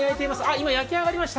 今、焼き上がりました。